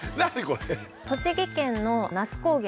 栃木県の那須高原